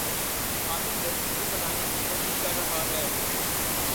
عاصم لڑ کی کو پٹانے کی کو شش کر رہا ہے